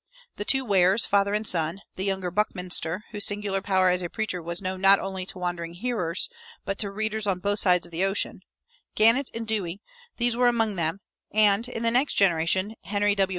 The two Wares, father and son, the younger Buckminster, whose singular power as a preacher was known not only to wondering hearers, but to readers on both sides of the ocean, Gannett and Dewey these were among them; and, in the next generation, Henry W.